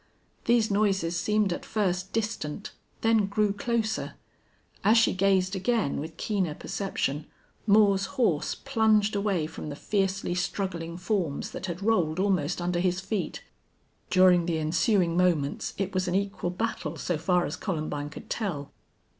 These noises seemed at first distant, then grew closer. As she gazed again with keener perception, Moore's horse plunged away from the fiercely struggling forms that had rolled almost under his feet. During the ensuing moments it was an equal battle so far as Columbine could tell.